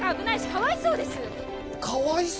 かわいそう